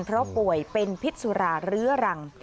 เพราะป่วยเป็นพิษสุราเรื้อรัง